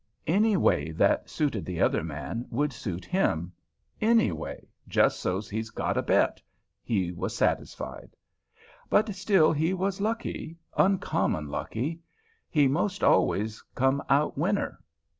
Any way that suited the other man would suit him—any way just so's he got a bet, he was satisfied. But still he was lucky, uncommon lucky; he most always come out winner.